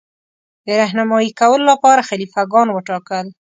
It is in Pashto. د رهنمايي کولو لپاره خلیفه ګان وټاکل.